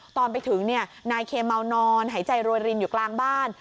ตอนไปถึงนายเคเมานอนหายใจโรยรินอยู่กลางบ้าน